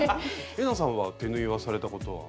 玲奈さんは手縫いはされたことは？